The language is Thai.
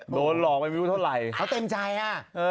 โดนหลอกไปไม่พูดเท่าไรเค้าเต็มใจฮะ